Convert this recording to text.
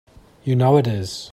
You know it is!